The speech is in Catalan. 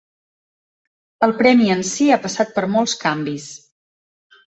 El premi en si ha passat per molts canvis.